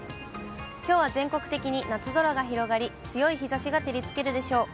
きょうは全国的に夏空が広がり、強い日ざしが照りつけるでしょう。